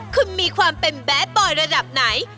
คุณมีความเป็นแบดบอยระดับไหน